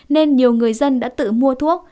nên nhiều người dân đã tự mua thuốc